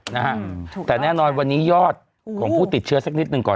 นะฮะแต่แน่นอนวันนี้ยอดของผู้ติดเชื้อสักนิดหนึ่งก่อน